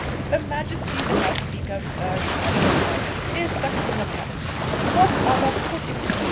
"The Majesty that I speak of, sir," replied Mr. White, "is the King of Heaven." "What other could it be!"